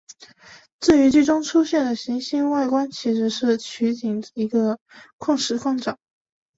至于剧中出现的行星外观其实是取景自一个石矿场。